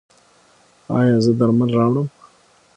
ایا زه درمل راوړم؟